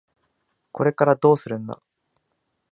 これからどうするんだ？